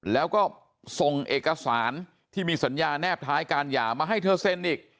แล้วก็ส่งเอกสารที่มีสัญญาแนบท้ายการหย่ามาให้เธอเซ็นอีก